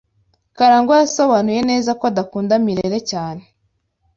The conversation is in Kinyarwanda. Karangwa yasobanuye neza ko adakunda Mirelle cyane.